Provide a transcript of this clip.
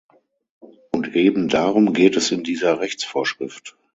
Und eben darum geht es in dieser Rechtsvorschrift.